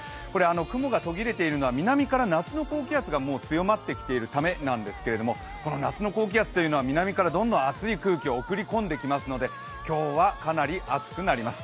雲が途切れているのは南から夏の高気圧がもう強まってきているためなんですけど、夏の高気圧というのは南からどんどん熱い空気を送り込んできますので今日はかなり暑くなります。